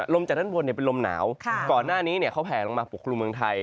จากด้านบนเป็นลมหนาวก่อนหน้านี้เขาแผลลงมาปกครุมเมืองไทย